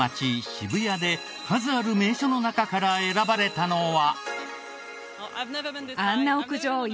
渋谷で数ある名所の中から選ばれたのは。